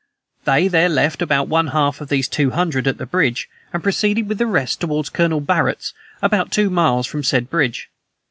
They there left about one half of these two hundred at the bridge, and proceeded with the rest toward Colonel Barret's, about two miles from the said bridge.